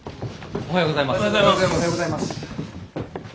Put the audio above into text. おはようございます。